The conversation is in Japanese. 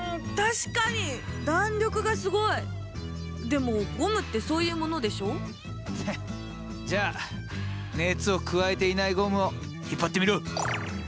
でもゴムってそういうものでしょ？へッじゃあ熱を加えていないゴムを引っ張ってみろ。